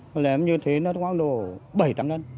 nó lém như thế nó quán đồ bày tặng lên